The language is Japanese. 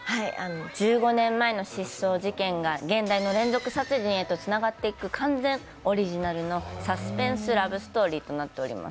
１５年前の失踪事件が現在の連続殺人事件へとつながっていく完全オリジナルのサスペンスラブストーリーとなっております。